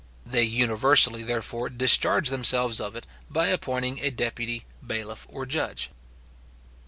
They universally, therefore, discharged themselves of it, by appointing a deputy, bailiff or judge.